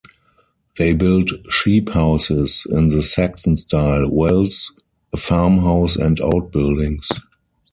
They built sheep houses in the Saxon style, wells, a farmhouse and outbuildings.